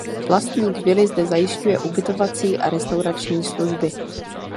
Vlastník vily zde zajišťuje ubytovací a restaurační služby.